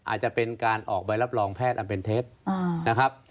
อาจจะเป็นการออกใบรับรองแพทย์อันเป็นเท็จนะครับ